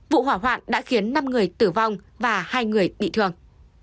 vụ hỏa hoạn đã khiến năm người tử vong và hai người bị thương